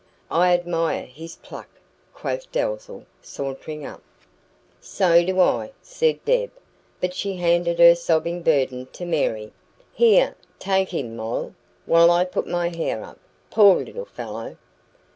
"I admire his pluck," quoth Dalzell, sauntering up. "So do I," said Deb; but she handed her sobbing burden to Mary. "Here, take him, Moll, while I put my hair up. POOR little fellow!"